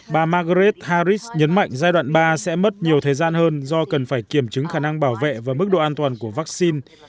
bà margaret harris nhấn mạnh giai đoạn ba sẽ mất nhiều thời gian hơn do cần phải kiểm chứng khả năng bảo vệ và mức độ an toàn của vaccine